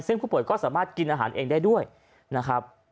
ซึ่งผู้ป่วยก็สามารถกินอาหารเองได้ด้วยนะครับ